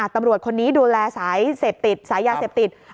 ตำรวจคนนี้ดูแลสายเสพติดสายยาเสพติด